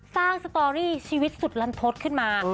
สร้างสตอรี่ชีวิตสุดลันทฤษขึ้นมา